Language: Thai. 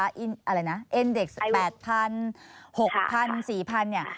อะไรนะเอ็นเด็ก๘๐๐๖๐๐๔๐๐เนี่ย